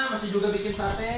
masih juga bikin sate